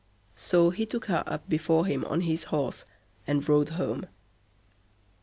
So he took her up before him on his horse, and rode home.